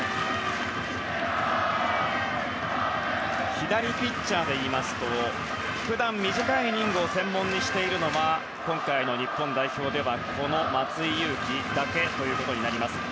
左ピッチャーでいうと普段短いイニングを専門にするのは今回の日本代表では松井裕樹だけとなります。